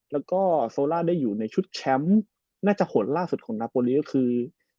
แล้วก็โซล่าได้อยู่ในชุดแชมป์น่าจะหดล่าสุดของนาโปรลีก็คือ